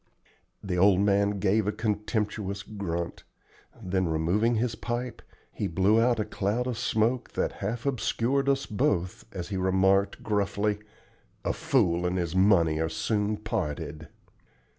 The old man gave a contemptuous grunt; then, removing his pipe, he blew out a cloud of smoke that half obscured us both as he remarked, gruffly, "'A fool and his money are soon parted.'"